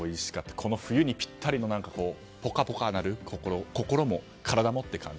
この冬にピッタリのポカポカになる心も体もって感じ。